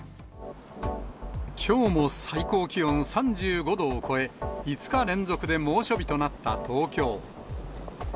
きょうも最高気温３５度を超え、５日連続で猛暑日となった東京。